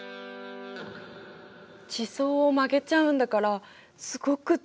地層を曲げちゃうんだからすごく強い力だね。